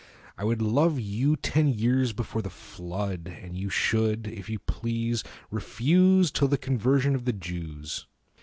I would Love you ten years before the Flood, And you should, if you please, refuse Till the conversion of the Jews.